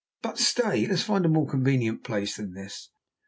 But stay, let's first find a more convenient place than this."